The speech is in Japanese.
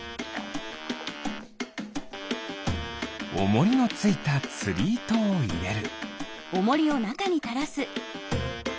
おもりのついたつりいとをいれる。